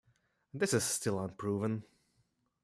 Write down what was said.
This is still unproven.